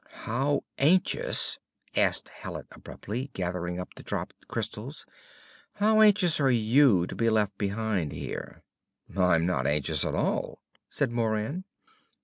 "How anxious," asked Hallet abruptly, gathering up the dropped crystals, "how anxious are you to be left behind here?" "I'm not anxious at all," said Moran.